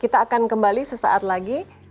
kita akan kembali sesaat lagi